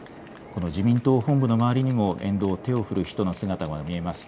この自民党本部の周りにも沿道、手を振る人の姿が見えます。